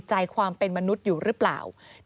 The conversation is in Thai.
ที่มันก็มีเรื่องที่ดิน